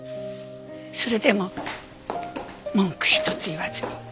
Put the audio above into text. それでも文句一つ言わずに。